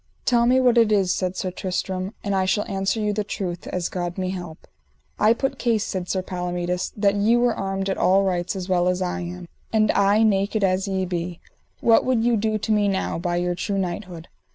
Tell me what it is, said Sir Tristram, and I shall answer you the truth, as God me help. I put case, said Sir Palomides, that ye were armed at all rights as well as I am, and I naked as ye be, what would you do to me now, by your true knighthood?